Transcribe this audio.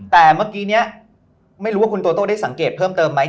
แต่เมื่อกี้นี้ไม่รู้ว่าคุณโตโต้ได้สังเกตเพิ่มเติมไหม